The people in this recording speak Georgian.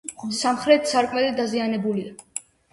სამხრეთ სარკმელი დაზიანებულია.